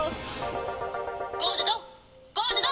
「ゴールドゴールド！」。